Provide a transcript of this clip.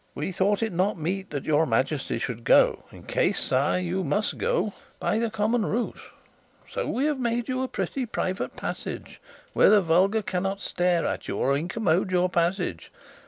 We thought it not meet that your Majesty should go, in case, sire, you must go, by the common route. So we have made you a pretty private passage where the vulgar cannot stare at you or incommode your passage.